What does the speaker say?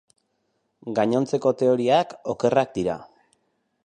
Gainontzeko teoriak okerrak dira.